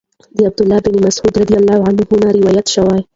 د عبد الله بن مسعود رضی الله عنه نه روايت شوی